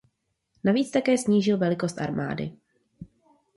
Navíc také snížil velikost armády.